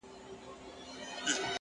هڅاند ذهن ستړیا نه مني,